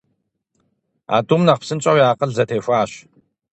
А тӏум нэхъ псынщӀэу я акъыл зэтехуащ.